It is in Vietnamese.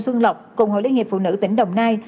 xuân lọc cùng hội lý nghiệp phụ nữ tỉnh đồng nai